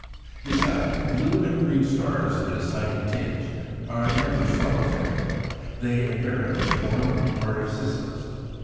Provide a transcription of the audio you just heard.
Besides, blue and green stars of a decided tinge are never solitary; they invariably form part of systems.